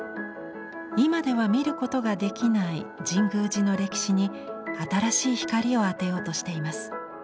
今では見ることができない神宮寺の歴史に新しい光を当てようとしています。